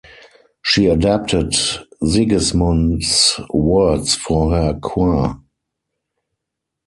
She adapted Sigismund's words for her choir.